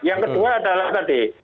yang kedua adalah tadi